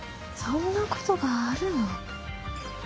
そんなことがあるの？